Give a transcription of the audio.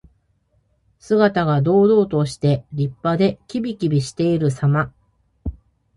姿が堂々として、立派で、きびきびしているさま。